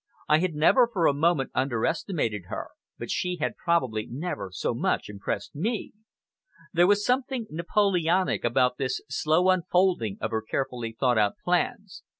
I had never for a moment under estimated her, but she had probably never so much impressed me. There was something Napoleonic about this slow unfolding of her carefully thought out plans.